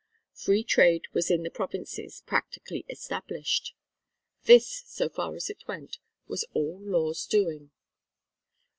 Free trade was in the Provinces practically established. This, so far as it went, was all Law's doing.